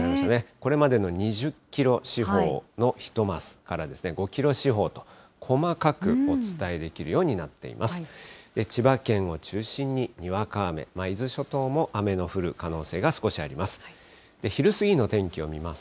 これまでの２０キロ四方の１マスから５キロ四方と、細かくお伝えできるようになっています。